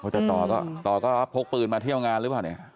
แต่ต่อก็ต่อก็พกปืนมาเที่ยวงานหรือเปล่าเนี่ย